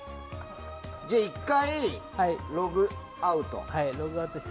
じゃあ１回ログアウト。